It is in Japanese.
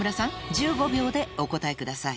１５秒でお答えください